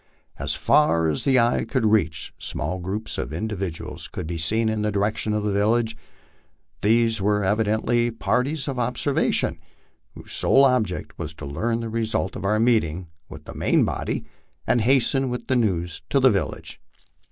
As far as the eye could reach small groups or individuals could be seen in the direction of the village ; these were evidently parties of observation, whose sole object was to learn the result of our meeting with the main body and hasten with the news to the village.